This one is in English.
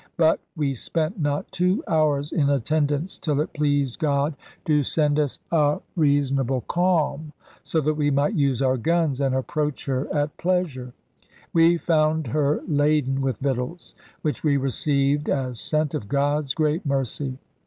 But *We spent not two hours in attendance till it pleased God to send us a reason 110 ELIZABETHAN SEA DOGS able calm, so that we might use our guns and approach her at pleasure. We found her laden with victuals, which we received as sent of God's great mercy.'